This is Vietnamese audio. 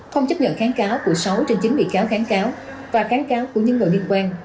không chấp nhận kháng cáo của sáu trên chín bị cáo kháng cáo và kháng cáo của những người liên quan